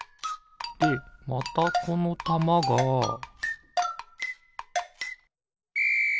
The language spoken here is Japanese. でまたこのたまがピッ！